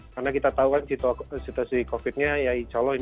karena kita tahu kan situasi covid nya ya insya allah